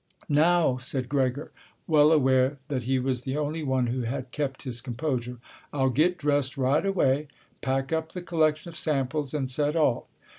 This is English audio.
"Now," said Gregor, well aware that he was the only one who had kept his composure. "I'll get dressed right away, pack up the collection of samples, and set off.